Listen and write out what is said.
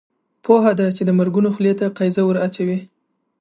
پوهه ده چې د مرګونو خولې ته قیضه ور اچوي.